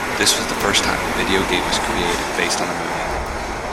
This was the first time a video game was created based on a movie.